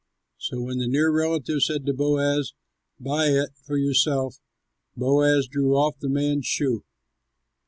So when the near relative said to Boaz, "Buy it for yourself," Boaz drew off the man's shoe.